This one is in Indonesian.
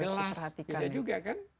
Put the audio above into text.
terus gelas bisa juga kan